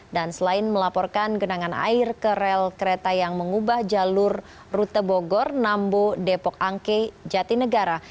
dan selain melaporkan genangan air ke rel kereta yang mengubah jalur rute bogor nambu depok angke jatinegara